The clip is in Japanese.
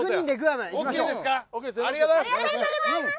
ありがとうございます。